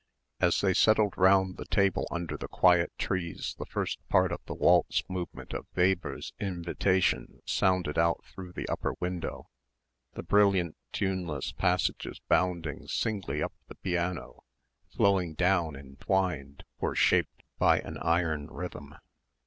As they settled round the table under the quiet trees the first part of the waltz movement of Weber's "Invitation" sounded out through the upper window. The brilliant tuneless passages bounding singly up the piano, flowing down entwined, were shaped by an iron rhythm.